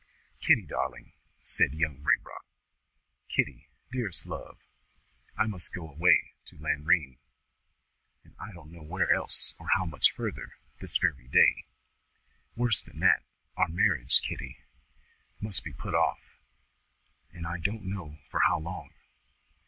"Kitty, darling," said Young Raybrock, "Kitty, dearest love, I must go away to Lanrean, and I don't know where else or how much further, this very day. Worse than that our marriage, Kitty, must be put off, and I don't know for how long."